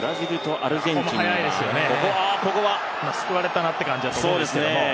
ここは救われたなという感じですけど。